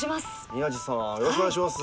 宮司さんよろしくお願いします。